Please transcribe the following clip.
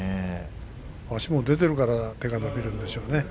足も出ているから手が伸びるんでしょうね。